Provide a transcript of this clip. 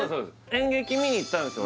演劇見に行ったんですよ